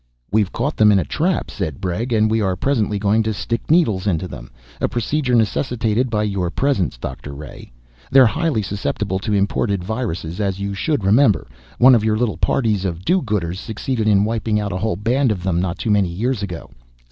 "We've caught them in a trap," said Bregg, "and we are presently going to stick needles into them a procedure necessitated by your presence, Doctor Ray. They're highly susceptible to imported viruses, as you should remember one of your little parties of do gooders succeeded in wiping out a whole band of them not too many years ago.